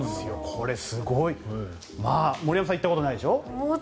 これ、すごい。森山さん行ったことないでしょ。